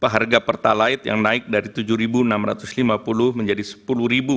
harga pertalite yang naik dari rp tujuh enam ratus lima puluh menjadi rp sepuluh